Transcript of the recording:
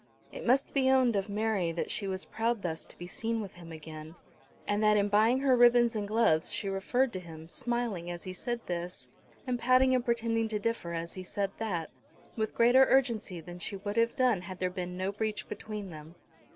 It must be owned of Mary that she was proud thus to be seen with him again, and that in buying her ribbons and gloves she referred to him, smiling as he said this, and pouting and pretending to differ as he said that, with greater urgency than she would have done had there been no breach between them.